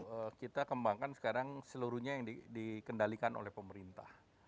itu kita kembangkan sekarang seluruhnya yang dikendalikan oleh pemerintah